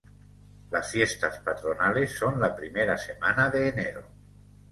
Las fiestas patronales son la primera semana de Enero.